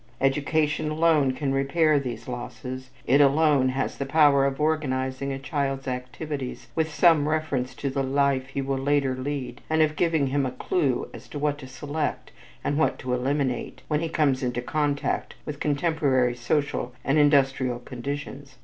Education alone can repair these losses. It alone has the power of organizing a child's activities with some reference to the life he will later lead and of giving him a clue as to what to select and what to eliminate when he comes into contact with contemporary social and industrial conditions.